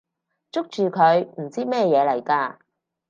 捉住佢！唔知咩嘢嚟㗎！